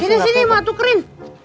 sini sini ma tukerin